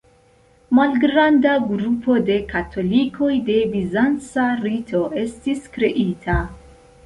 Malgranda grupo de katolikoj de bizanca rito estis kreita.